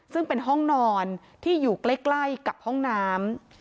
ซึ่งเป็นห้องนอนที่อยู่ใกล้กับห้องน้ำ